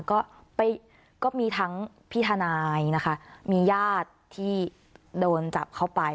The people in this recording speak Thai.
ก็ก็มีทั้งพี่ทนายนะคะมีญาติที่โดนจับเข้าไป